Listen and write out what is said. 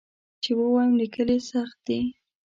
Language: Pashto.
چې ووایم لیکل یې سخت دي.